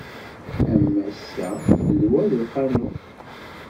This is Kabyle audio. A massa d wa i d lqanun.